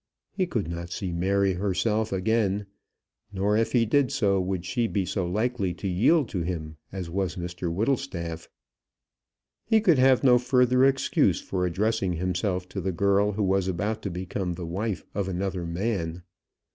He could not see Mary herself again, nor, if he did so, would she be so likely to yield to him as was Mr Whittlestaff. He could have no further excuse for addressing himself to the girl who was about to become the wife of another man.